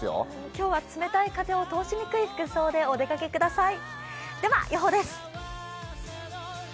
今日は冷たい風を通しにくい服装でお出かけください。